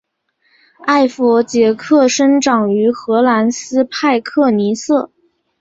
艾佛杰克生长于荷兰斯派克尼瑟。